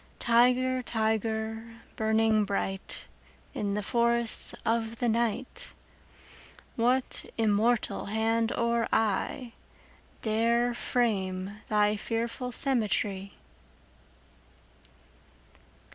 20 Tiger, tiger, burning bright In the forests of the night, What immortal hand or eye Dare frame thy fearful symmetry?